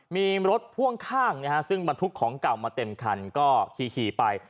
มีรถพ่วงข้างซึ่งบรรทุกของเก่ามาเต็มคันก็ขี่ไป